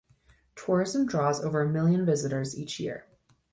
Tourism draws over a million visitors each year.